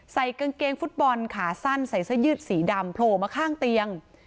ใส่กางเกงฟุตบอลขาสั้นใส่เสื้อยืดสีดำโผล่มาข้างเตียง